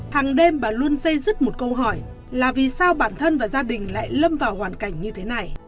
hàng đêm bà luôn xây dứt một câu hỏi là vì sao bản thân và gia đình lại lâm vào hoàn cảnh như thế này